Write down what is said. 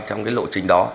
trong lộ trình đó